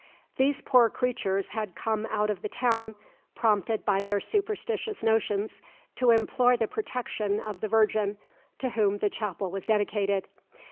These poor creatures had come out of the town, prompted by their superstitious notions, to implore the protection of the Virgin, to whom the chapel was dedicated.